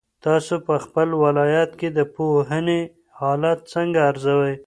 تاسو په خپل ولایت کې د پوهنې حالت څنګه ارزوئ؟